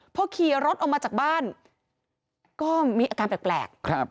พอขี่รถออกมาจากบ้านก็มีอาการแปลก